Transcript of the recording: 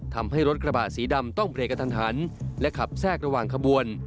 ทำให้รถกระบะสีดำต้องเรกกระทันหันและขับแทรกระหว่างขบวน